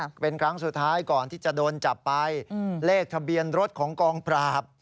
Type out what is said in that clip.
เป็นครั้งสุดท้ายก่อนที่จะโดนจับไปเลขทะเบียนรถของกองปราบ